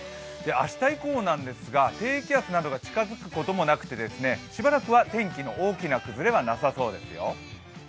明日以降なんですが、低気圧などが近づくこともなくて、しばらくは天気の大きな崩れはなさそうですよ。